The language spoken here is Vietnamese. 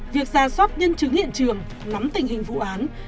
việc ra soát nhân chứng hiện trường nắm tình hình vụ án